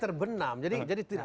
karena seringkali terbenam